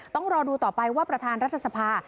ต้องรอดูต่อไปว่าประธานรัฐสภา